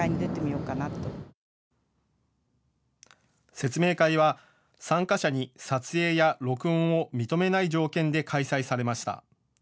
説明会は参加者に撮影や録音を認めない条件で開催されました。